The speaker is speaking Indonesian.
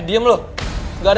kalo gue nunggu ada